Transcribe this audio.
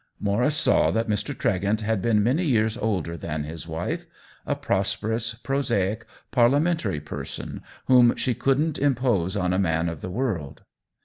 Maurice saw that Mr. Tregent had been many years older than his wife — a prosper ous, prosaic, parliamentary person whom she couldn't impose on a man of the world.